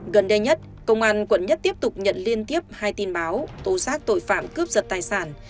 gần đây nhất công an quận một tiếp tục nhận liên tiếp hai tin báo tố xác tội phạm cướp giật tài sản